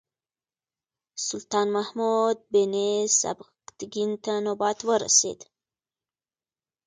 سلطان محمود بن سبکتګین ته نوبت ورسېد.